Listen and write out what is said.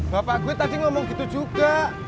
bapak gue tadi ngomong gitu juga